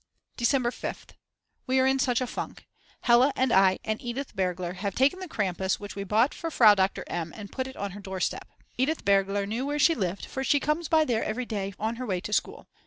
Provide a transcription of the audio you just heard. December 5th. We are in such a funk: Hella and I and Edith Bergler have taken the Krampus which we bought for Frau Doktor M. and put it on her doorstep. Edith Bergler knew where she lived for she comes by there every day on her way to school.